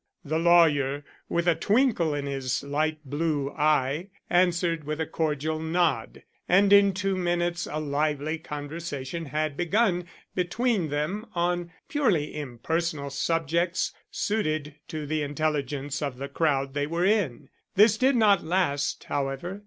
The lawyer, with a twinkle in his light blue eye, answered with a cordial nod; and in two minutes a lively conversation had begun between them on purely impersonal subjects suited to the intelligence of the crowd they were in. This did not last, however.